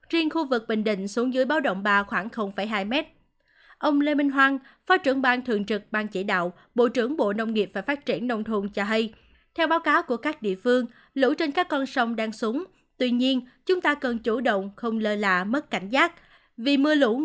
riêng khu vực bình định xuống dưới báo động ba khoảng hai m